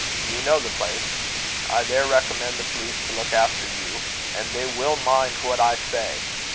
Do you know the place? I there recommend the police to look after you, and they will mind what I say.